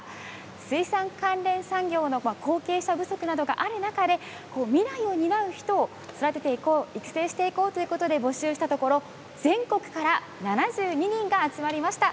水産関連産業の後継者不足などがある中で未来を担う人を育てていこう育成していこうということで募集したところ全国から７２人が集まりました。